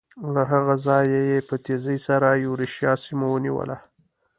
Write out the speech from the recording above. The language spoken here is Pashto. له هغه ځایه یې په تېزۍ سره یورشیا سیمه ونیوله.